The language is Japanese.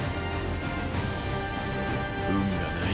運が無い。